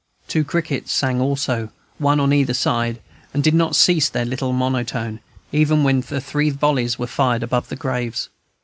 Two crickets sang also, one on either side, and did not cease their little monotone, even when the three volleys were fired above the graves.